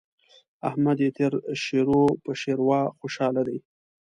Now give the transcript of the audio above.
احمد يې تر شير په شېروا خوشاله دی.